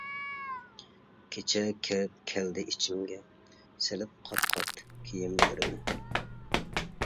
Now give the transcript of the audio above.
كېچە كىرىپ كەلدى ئىچىمگە، سېلىپ قات-قات كىيىملىرىنى.